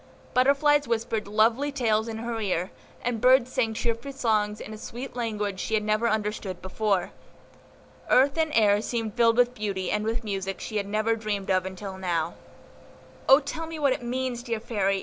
Butterflies whispered lovely tales in her ear, and birds sang cheerful songs in a sweet language she had never understood before. Earth and air seemed filled with beauty and with music she had never dreamed of until now. "O tell me what it means, dear Fairy!